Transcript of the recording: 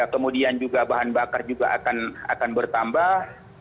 kemudian juga bahan bakar juga akan bertambah